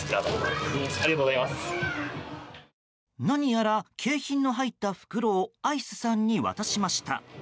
何やら景品の入った袋をアイスさんに渡しました。